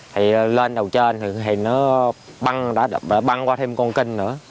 thì lên đầu trên thì nó băng qua thêm con kênh nữa